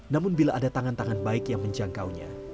namun bila ada tangan tangan baik yang menjangkaunya